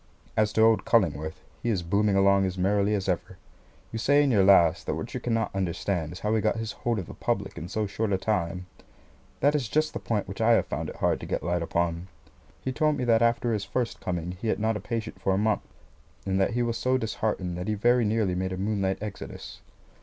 As to old Cullingworth, he is booming along as merrily as ever. You say in your last, that what you cannot understand is how he got his hold of the public in so short a time. That is just the point which I have found it hard to get light upon. He told me that after his first coming he had not a patient for a month, and that he was so disheartened that he very nearly made a moonlight exodus.